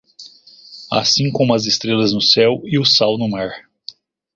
Assim como as estrelas no céu e o sal no mar